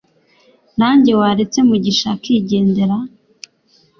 Ninjye waretse mugisha akigendera